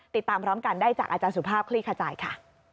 ติดตามพร้อมกันได้จากอาจารย์สุภาพคลี่ขจายค่ะ